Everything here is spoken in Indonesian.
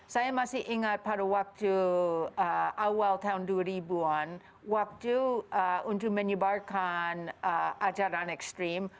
saya masih ingat pada waktu awal tahun dua ribu an waktu untuk menyebarkan ajaran ekstrim